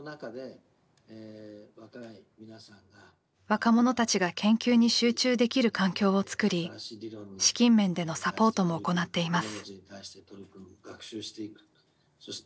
若者たちが研究に集中できる環境をつくり資金面でのサポートも行っています。